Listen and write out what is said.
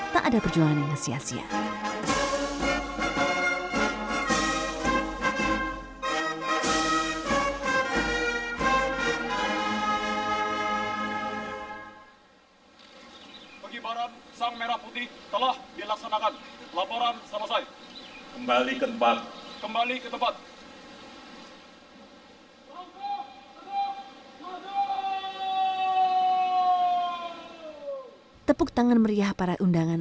tugas pertama tuntas ditunaikan